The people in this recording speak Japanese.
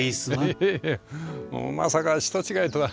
もうまさか人違いとは。